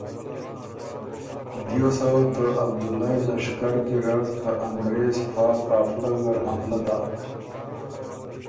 دیو سوه ته عبدُالئ لشکر ګیرډ ته انګرېز فا قافله زر حملۀ داک